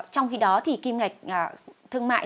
trong khi đó thì kim ngạch thương mại